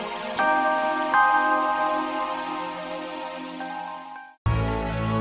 oh si abah itu